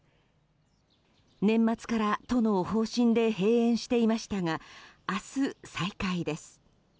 年末から都の方針で閉園していましたが明日、再開です。